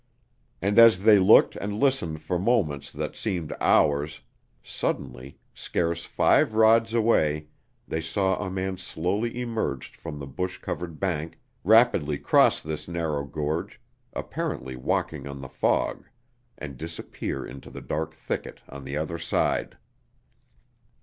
And as they looked and listened for moments that seemed hours, suddenly, scarce five rods away, they saw a man slowly emerged from the bush covered bank, rapidly cross this narrow gorge, apparently walking on the fog, and disappear in the dark thicket on the other side!